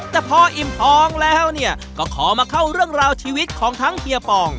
แต่พออิ่มท้องแล้วเนี่ยก็ขอมาเข้าเรื่องราวชีวิตของทั้งเฮียปอง